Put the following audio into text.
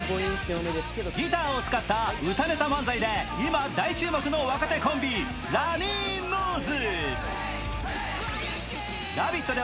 つらく悲しいときもギターを使った歌ネタ漫才で今大注目の若手コンビ、ラニーノーズ。